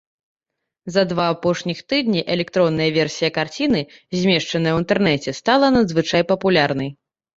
За два апошніх тыдні электронная версія карціны, змешчаная ў інтэрнэце, стала надзвычай папулярнай.